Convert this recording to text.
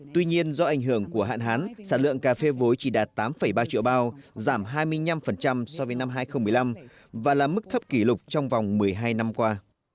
tuy nhiên do ảnh hưởng của hạn hán sản lượng cà phê vốn chỉ đạt tám ba triệu bao giảm hai mươi năm so với năm hai nghìn một mươi năm và là mức thấp kỷ lục trong vòng một mươi hai năm qua